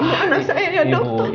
ibu anak saya ya dok